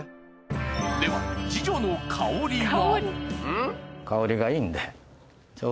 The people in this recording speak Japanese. では次女のかおりは。